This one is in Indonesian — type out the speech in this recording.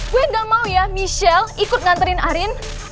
gue gak mau ya michelle ikut nganterin arin